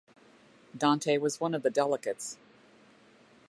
Dante was one of the delegates.